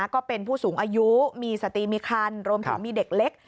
ก็เป็นผู้สูงอายุมีสติมีคันรวมถึงมีเด็กเล็ก